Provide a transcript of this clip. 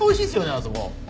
あそこ。